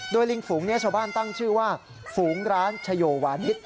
โดยลิงฝูงนี้ชาวบ้านตั้งชื่อว่าฝูงร้านชโยวานิส